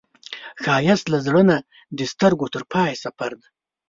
ښایست له زړه نه د سترګو تر پایه سفر دی